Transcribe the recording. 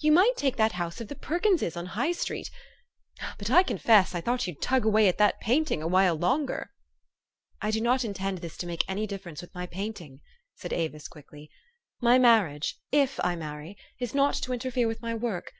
You might take that house of the Perkinses on High Street. But I confess, I thought you'd tug away at that painting a while longer." " I do not intend this to make any difference with my painting," said Avis quickly: "my marriage, if I many, is not to interfere with my work.